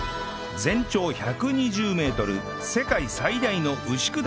全長１２０メートル世界最大の牛久大仏